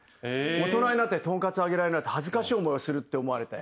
大人になってトンカツ揚げられないと恥ずかしい思いをするって思われて。